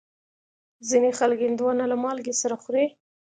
ځینې خلک هندوانه له مالګې سره خوري.